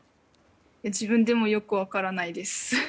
自分でもよく分からないです。